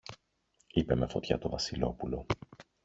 είπε με φωτιά το Βασιλόπουλο